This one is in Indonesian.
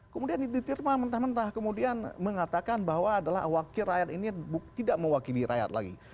kemudian ditirma mentah mentah kemudian mengatakan bahwa adalah wakil rakyat ini tidak mewakili rakyat lagi